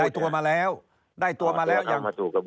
ตัวมาแล้วได้ตัวมาแล้วยัง